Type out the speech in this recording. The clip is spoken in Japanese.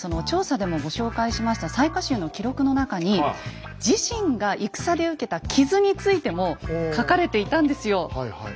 調査でもご紹介しました雑賀衆の記録の中に自身が戦で受けた傷についても書かれていたんですよ。